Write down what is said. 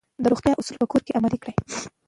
د روغتیا اصول په کور کې عملي کیږي.